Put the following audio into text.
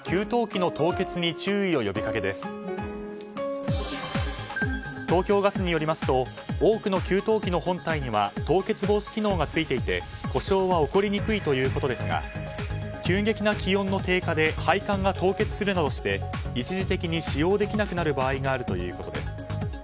東京ガスによりますと多くの給湯器の本体には凍結防止機能がついていて故障は起こりにくいということですが急激な気温の低下で配管が凍結するなどして一時的に使用できなくなる場合があるということです。